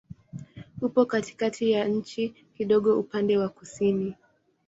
Upo katikati ya nchi, kidogo upande wa kusini.